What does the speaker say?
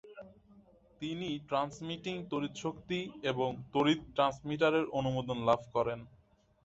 তিনি ট্রান্সমিটিং তড়িৎশক্তি এবং তড়িৎ ট্রান্সমিটার এর অনুমোদন লাভ করেন।